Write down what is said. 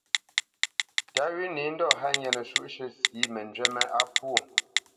Tǎ wʉ̌ nǐ ndɔ̂ hánya nəshwǔʼshʉ̂ sǐ njywí yě á pwô.